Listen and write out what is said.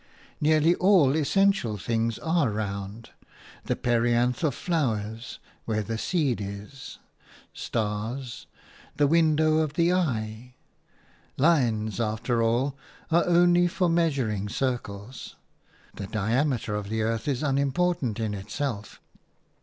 Nearly all essential things are round – the perianth of flowers, where the seed is, stars, the window of the eye. Lines, after all, are only for measuring circles; the diameter of the earth is unimportant in itself.